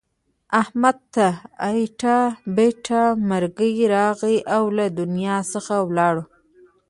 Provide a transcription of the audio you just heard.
احمد ته ایټه بیټه مرگی راغی او له دنیا څخه ولاړو.